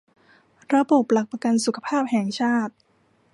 ระบบหลักประกันสุขภาพแห่งชาติ